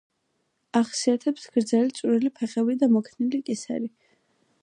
ახასიათებთ გრძელი წვრილი ფეხები და მოქნილი კისერი.